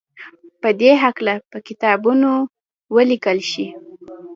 په دې هکله به کتابونه وليکل شي.